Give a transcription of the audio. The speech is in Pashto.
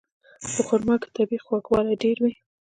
په خرما کې طبیعي خوږوالی ډېر وي.